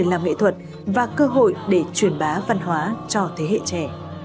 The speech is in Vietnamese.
các người làm nghệ thuật và cơ hội để truyền bá văn hóa cho thế hệ trẻ